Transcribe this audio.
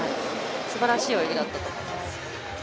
すばらしい泳ぎだったと思います。